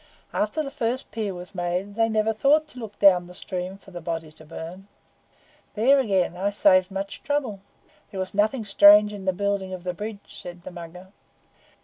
After the first pier was made they never thought to look down the stream for the body to burn. There, again, I saved much trouble. There was nothing strange in the building of the bridge," said the Mugger.